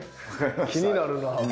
気になるな。